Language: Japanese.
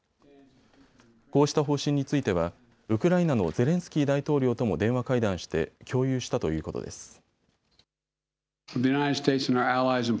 こうした方針についてはウクライナのゼレンスキー大統領とも電話会談して共有したということです。